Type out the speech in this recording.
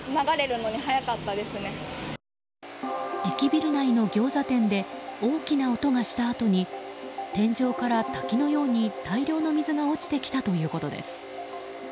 駅ビル内のギョーザ店で大きな音がしたあとに天井から滝のように大量の水が落ちてきたということです。